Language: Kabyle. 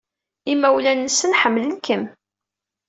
Imawlan-nsen ḥemmlen-kem.